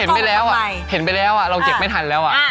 ไม่อยากเล่นนะ